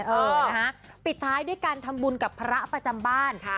เออนะฮะปิดท้ายด้วยการทำบุญกับพระประจำบ้าน